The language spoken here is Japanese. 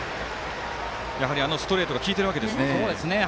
やはりあのストレートがきいているわけですね。